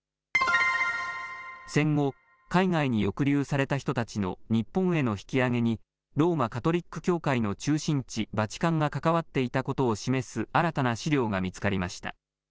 戦後、海外に抑留された人たちの日本への引き揚げにローマ・カトリック教会の中心地、バチカンが関わっていたことを示す新たな資料が見つかりました。